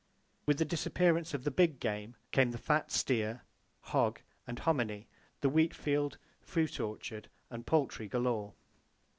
With the disappearance of the big game came the fat steer, hog and hominy, the wheat field, fruit orchard and poultry galore.